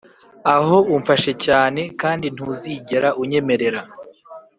aho umfashe cyane kandi ntuzigera unyemerera.